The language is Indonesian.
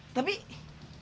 tapi tapi kemana